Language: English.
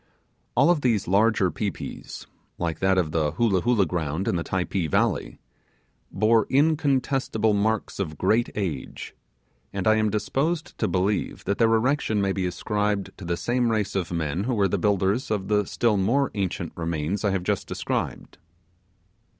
All of these larger pi pis like that of the Hoolah Hoolah ground in the Typee valley bore incontestible marks of great age; and I am disposed to believe that their erection may be ascribed to the same race of men who were the builders of the still more ancient remains I have just described.